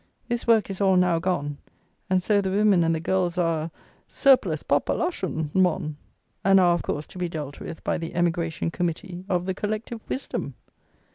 This work is all now gone, and so the women and the girls are a "surplus popalashon, mon," and are, of course, to be dealt with by the "Emigration Committee" of the "Collective Wisdom"!